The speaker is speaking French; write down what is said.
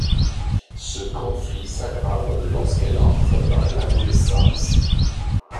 Ce conflit s'aggrave lorsqu'elle entre dans l'adolescence.